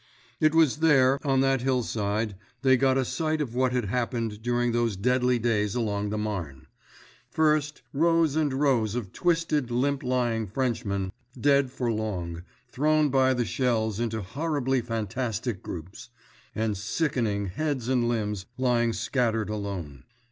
It was there, on that hillside, they got a sight of what had happened during those deadly days along the Marne. First, rows and rows of twisted, limp lying Frenchmen, dead for long, thrown by the shells into horribly fantastic groups; and sickening heads and limbs lying scattered alone.